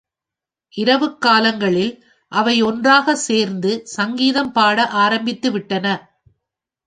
இரவுக் காலங்களில் அவை ஒன்றாகச் சேர்ந்து சங்கீதம் பாட ஆரம்பித்து விட்டன.